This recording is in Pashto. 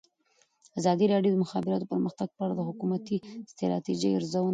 ازادي راډیو د د مخابراتو پرمختګ په اړه د حکومتي ستراتیژۍ ارزونه کړې.